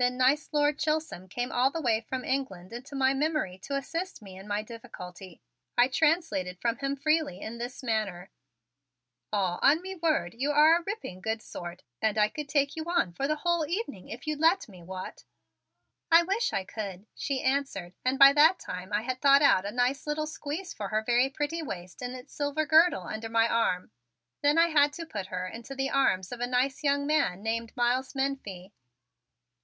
Then nice Lord Chisholm came all the way from England into my memory to assist me in my difficulty. I translated from him freely in this manner: "Aw, on me word, you are a ripping good sort and I could take you on for the whole evening if you'd let me. What?" "I wish I could," she answered and by that time I had thought out a nice little squeeze for her very pretty waist in its silver girdle under my arm. Then I had to put her into the arms of a nice young man named Miles Menefee.